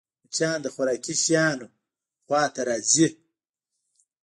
مچان د خوراکي شيانو خوا ته راځي